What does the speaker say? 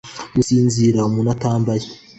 Gusinzira umuntu atambaye